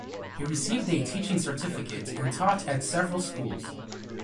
He received a teaching certificate and taught at several schools.